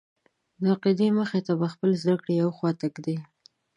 د عقیدې مخې ته به خپلې زده کړې یوې خواته ږدې.